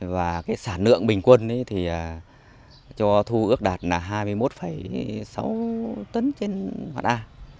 và sản lượng bình quân thì cho thu ước đạt hai mươi một sáu tấn trên hectare